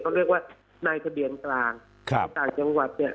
เขาเรียกว่านายทะเบียนกลางครับต่างจังหวัดเนี่ย